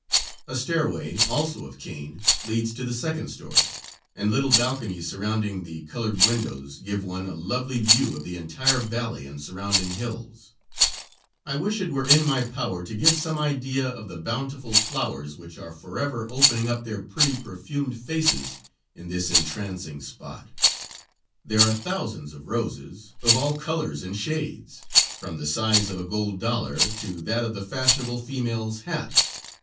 A stairway, also of cane, leads to the second story, and little balconies surrounding the colored windows give one a lovely view of the entire valley and surrounding hills. I wish it were in my power to give some idea of the bountiful flowers which are forever opening up their pretty perfumed faces in this entrancing spot; there are thousands of roses, of all colors and shades, from the size of a gold dollar to that of the fashionable female's hat.